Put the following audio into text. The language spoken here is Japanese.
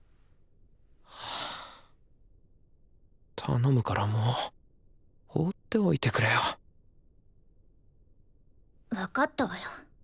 頼むからもう放っておいてくれよ分かったわよ。